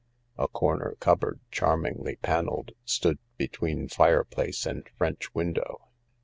A corner cupboard charmingly panelled stood between fireplace and French window.